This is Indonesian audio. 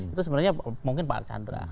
itu sebenarnya mungkin pak archandra